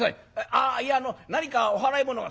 「あっいやあの何かお払いものが？」。